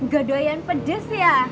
gadoaian pedes ya